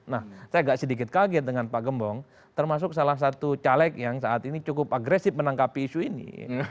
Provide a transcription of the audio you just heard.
nah saya agak sedikit kaget dengan pak gembong termasuk salah satu caleg yang saat ini cukup agresif menangkapi isu ini